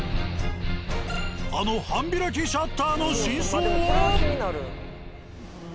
あの半開きシャッターの真相は？